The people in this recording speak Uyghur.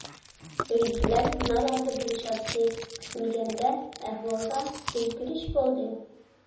ئۆيدىكىلەر نارازى بولۇشاتتى، كۈتمىگەندە ئەھۋالدا ئۆزگىرىش بولدى.